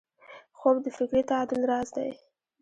خوب د فکري تعادل راز دی